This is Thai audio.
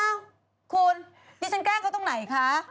เอ้าคุณดิฉันแกล้งเขาตรงไหนคะ